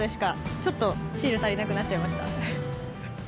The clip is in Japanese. ちょっとシール足りなくなっちゃいました。